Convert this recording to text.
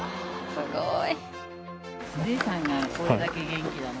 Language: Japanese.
すごい。